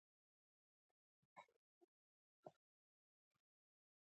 دوه زره شپږ کال ټاکنو کې دغه کچه یوولس سلنې ته ورسېده.